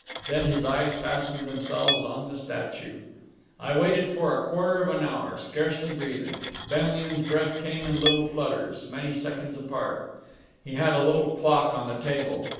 Then his eyes fastened themselves on the statue. I waited for a quarter of an hour, scarcely breathing. Benlian's breath came in little flutters, many seconds apart. He had a little clock on the table.